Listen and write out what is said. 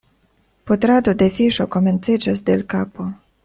Putrado de fiŝo komenciĝas de l' kapo.